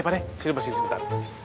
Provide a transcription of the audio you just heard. pane sini bersih sementara